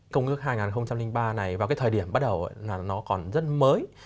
công ước hai nghìn ba này vào cái thời điểm bắt đầu là nó còn rất mới